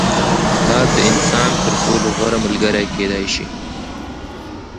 کتاب د انسان تر ټولو غوره ملګری کېدای سي.